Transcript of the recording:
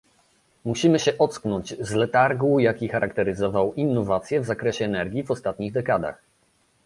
Musimy się ocknąć z letargu jaki charakteryzował innowacje w zakresie energii w ostatnich dekadach